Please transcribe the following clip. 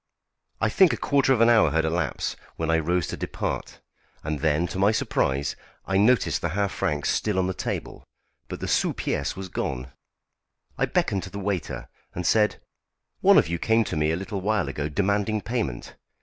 I think a quarter of an hour had elapsed, when I rose to depart, and then, to my surprise, I noticed the half franc still on the table, but the sous piece was gone. I beckoned to a waiter, and said: "One of you came to me a little while ago demanding payment.